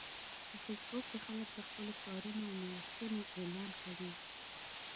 په فېسبوک کې خلک د خپلو کارونو او نوښتونو اعلان کوي